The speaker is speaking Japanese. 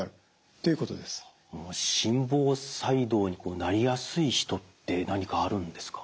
心房細動になりやすい人って何かあるんですか？